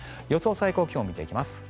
最高気温を見ていきます。